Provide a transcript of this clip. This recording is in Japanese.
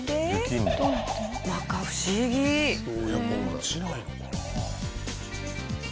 落ちないのかな？